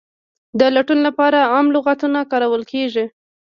د لټون لپاره عام لغتونه کارول کیږي.